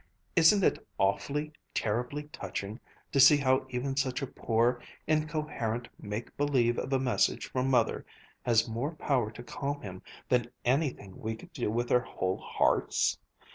Isn't it awfully, terribly touching to see how even such a poor, incoherent make believe of a 'message' from Mother has more power to calm him than anything we could do with our whole hearts?